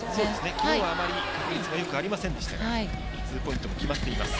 昨日は確率があまりよくありませんでしたがツーポイントも決まっています。